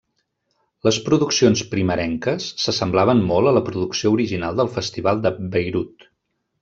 Les produccions primerenques s'assemblaven molt a la producció original del Festival de Bayreuth.